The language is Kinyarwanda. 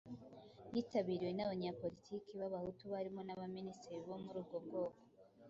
yitabiriwe n'abanyapolitiki b'Abahutu barimo n'abaminisitiri bo muri ubwo bwoko,